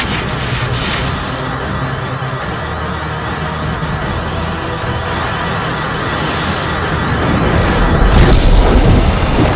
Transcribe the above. kekuatan yang baik